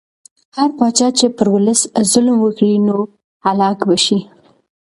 هر پاچا چې پر ولس ظلم وکړي نو هلاک به شي.